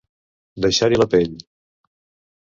Deixar-hi la pell.